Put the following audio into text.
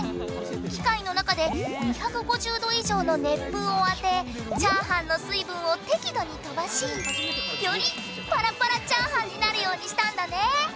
機械の中で２５０度以上の熱風を当て炒飯の水分を適度に飛ばしよりパラパラ炒飯になるようにしたんだね。